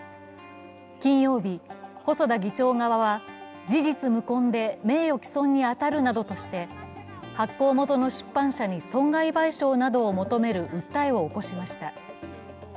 金曜日、細田議長側は事実無根で名誉毀損に当たるなどとして、発行元の出版社に損害賠償などを求める訴えを起こしました。